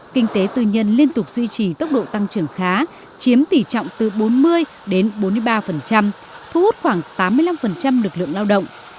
kinh tế tư nhân liên tục duy trì tốc độ tăng trưởng khá chiếm tỷ trọng từ bốn mươi đến bốn mươi ba thu hút khoảng tám mươi năm lực lượng lao động